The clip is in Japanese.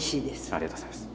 ありがとうございます。